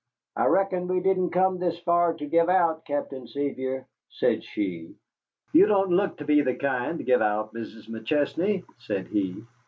"I reckon we didn't come this far to give out, Captain Sevier," said she. "You don't look to be the kind to give out, Mrs. McChesney," said he.